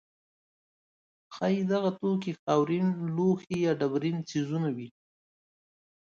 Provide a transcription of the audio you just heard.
ښایي دغه توکي خاورین لوښي یا ډبرین څیزونه وي.